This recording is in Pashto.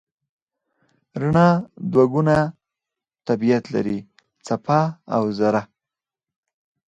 رڼا دوه ګونه طبیعت لري: څپه او ذره.